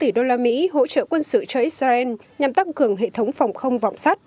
gói viện trợ bao gồm hai mươi sáu tỷ usd hỗ trợ quân sự cho israel nhằm tăng cường hệ thống phòng không vọng sắt